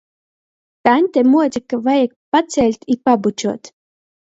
Taņte muoca, ka vajag paceļt i pabučuot.